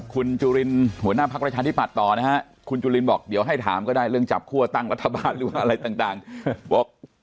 ขอนายโยบายอีกนิดหนึ่งก่อนใช่ไหม